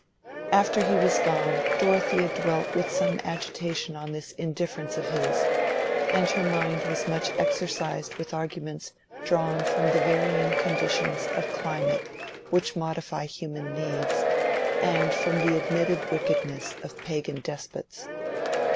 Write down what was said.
After he was gone, Dorothea dwelt with some agitation on this indifference of his; and her mind was much exercised with arguments drawn from the varying conditions of climate which modify human needs, and from the admitted wickedness of pagan despots.